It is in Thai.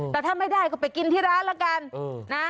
แต่ถ้าไม่ได้ก็ไปกินที่ร้านละกันนะ